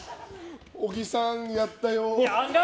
小木さん、やったよ！